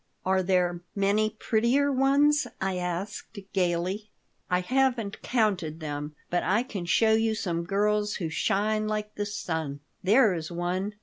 "Are there many prettier ones?" I asked, gaily "I haven't counted them, but I can show you some girls who shine like the sun. There is one!"